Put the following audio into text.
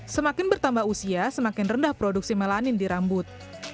semakin bertambah usia semakin rendah produksi melanin di rambut